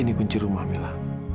ini kunci rumah mila